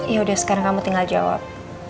yaudah sekarang kamu tinggal jawab